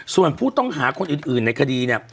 ส่วนผู้ต้องหาคนอื่นในคดีเนี่ย